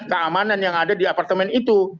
keamanan yang ada di apartemen itu